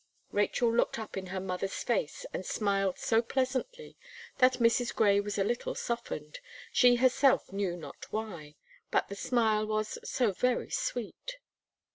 Rachel looked up in her mother's face, and smiled so pleasantly, that Mrs. Gray was a little softened, she herself knew not why; but the smile was so very sweet.